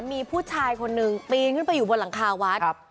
มีผู้ชายคนหนึ่งปีนขึ้นไปอยู่บนหลังคาวัด